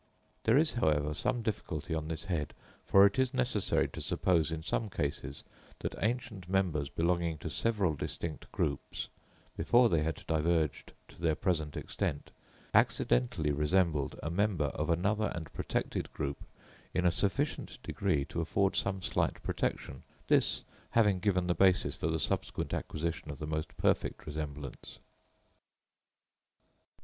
There is, however, some difficulty on this head, for it is necessary to suppose in some cases that ancient members belonging to several distinct groups, before they had diverged to their present extent, accidentally resembled a member of another and protected group in a sufficient degree to afford some slight protection, this having given the basis for the subsequent acquisition of the most perfect resemblance.